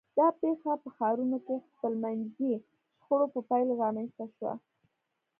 دا پېښه په ښارونو کې خپلمنځي شخړو په پایله رامنځته شوه.